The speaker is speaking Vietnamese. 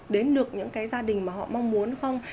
đến được những cái gia đình mà họ mong muốn không